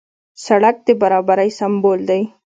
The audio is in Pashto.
سړک د برابرۍ سمبول دی.